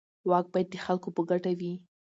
واک باید د خلکو په ګټه وي.